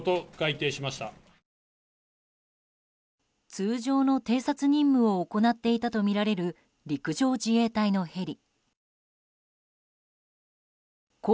通常の偵察任務を行っていたとみられる陸上自衛隊のヘリ。